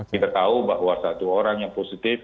kita tahu bahwa satu orang yang positif